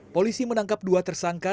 polisi menangkap dua tersangka